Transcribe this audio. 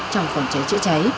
trong phòng cháy chữa cháy